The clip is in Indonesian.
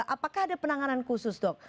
apakah ada penanganan khusus dok